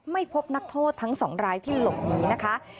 ไม่พบนักโทษทั้งสองรายที่หลบหนีนะคะ